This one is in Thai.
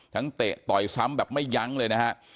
ทั้งเตะต่อยซ้ำแบบไม่ยั้งเลยนะครับ